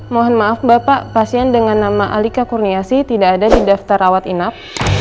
mohon maaf bapak pasien dengan nama alika kurniasi tidak ada di daftar rawat inap